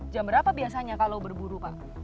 jam berapa biasanya kalau berburu pak